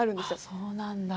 あっそうなんだ。